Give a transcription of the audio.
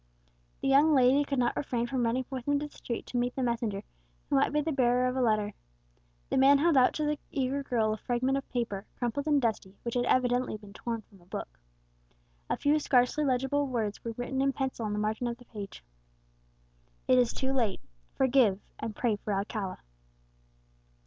The young lady could not refrain from running forth into the street to meet the messenger, who might be the bearer of a letter. The man held out to the eager girl a fragment of paper, crumpled and dusty, which had evidently been torn from a book. A few scarcely legible words were written in pencil on the margin of the page, "_It is too late! Forgive, and pray for Alcala!